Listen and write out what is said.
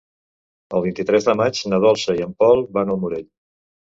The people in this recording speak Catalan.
El vint-i-tres de maig na Dolça i en Pol van al Morell.